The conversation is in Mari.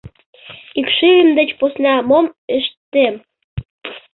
Икшывем деч посна мом ыште-ем!